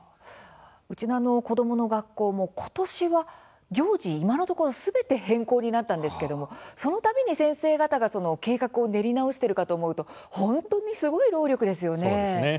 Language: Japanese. うちの子どもの学校もことしは行事、すべて今のところ変更になりましたがそのたびに先生方が計画を練り直しているかと思うと本当にすごい労力ですよね。